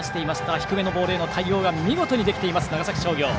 低めのボールへの対応が見事にできている長崎商業。